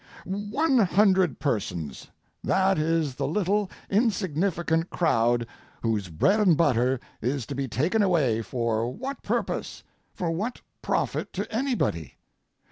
One hundred persons—that is the little, insignificant crowd whose bread and butter is to be taken away for what purpose, for what profit to anybody?